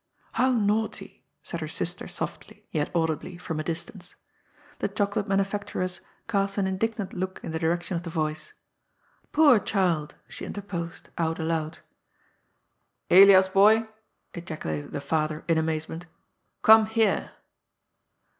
" How naughty I " said her sister softly, yet audibly, from a distance. The chocolate manufacturess cast an indignant look in the direction of the voice. " Poor child !" she interposed — out aloud. " Elias, boy," ejaculated the father in amaze ment, " come here."